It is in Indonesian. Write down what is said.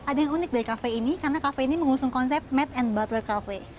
ada yang unik dari kafe ini karena kafe ini mengusung konsep made and butware cafe